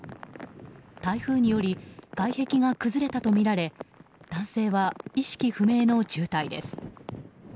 台風により外壁が崩れたとみられ男性は意識不明の重体です。